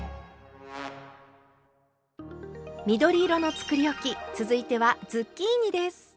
緑色のつくりおき続いてはズッキーニです。